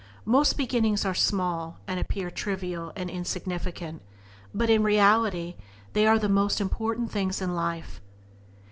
Most beginnings are small, and appear trivial and insignificant, but in reality they are the most important things in life.